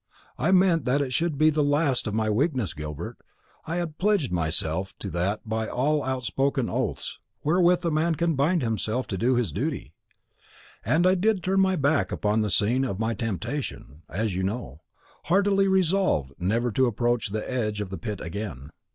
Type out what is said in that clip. I meant that it should be the last of my weakness, Gilbert. I had pledged myself to that by all the outspoken oaths wherewith a man can bind himself to do his duty. And I did turn my back upon the scene of my temptation, as you know, heartily resolved never to approach the edge of the pit again.